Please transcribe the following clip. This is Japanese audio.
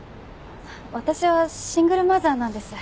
私はシングルマザーなんです。